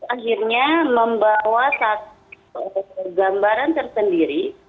akhirnya membawa satu gambaran tersendiri